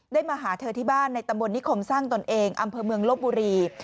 มาหาเธอที่บ้านในตำบลนิคมสร้างตนเองอำเภอเมืองลบบุรี